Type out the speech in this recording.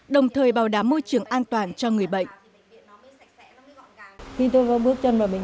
đồng thời bảo đảm môi trường an toàn cho người bệnh